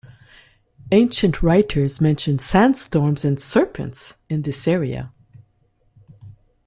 Ancient writers mention sandstorms and serpents in this area.